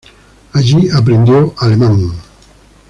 Allí aprendió alemán.